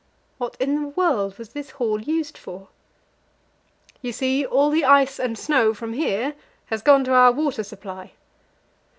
What in the world was this hall used for? "You see, all the ice and snow from here has gone to our water supply."